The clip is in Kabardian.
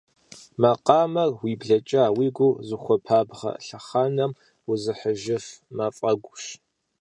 Макъамэр уи блэкӏа, уи гур зыхуэпабгъэ лъэхъэнэм узыхьыжыф мафӏэгущ.